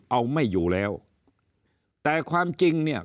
เอาไม่อยู่แล้วแต่ความจริงเนี่ย